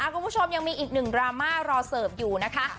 คุณผู้ชมยังมีอีกหนึ่งดราม่ารอเสิร์ฟอยู่นะคะ